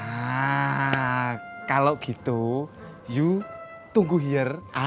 nah kalau gitu you tunggu here